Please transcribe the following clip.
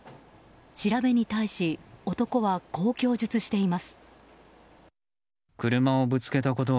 調べに対し、男はこう供述しています。